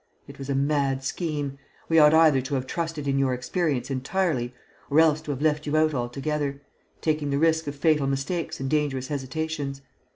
It was a mad scheme. We ought either to have trusted in your experience entirely, or else to have left you out altogether, taking the risk of fatal mistakes and dangerous hesitations.